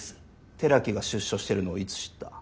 寺木が出所してるのをいつ知った？